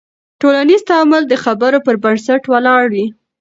ټولنیز تعامل د خبرو پر بنسټ ولاړ وي.